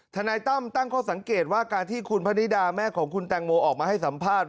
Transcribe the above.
นายตั้มตั้งข้อสังเกตว่าการที่คุณพนิดาแม่ของคุณแตงโมออกมาให้สัมภาษณ์